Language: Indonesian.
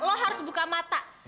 lo harus buka mata